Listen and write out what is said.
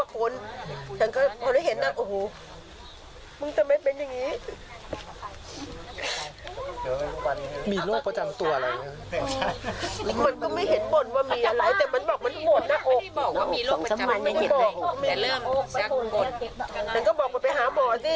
ไปหาหมอสิเขาบอกไปหาหมอสิ